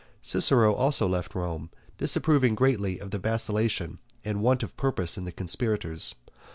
Cicero also left Rome, disapproving greatly of the vacillation and want of purpose in the conspirators.